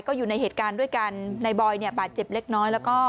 ก็อยู่ในเหตุการณ์ด้วยกันนายบอยค์บาดเจ็บเล็กน้อย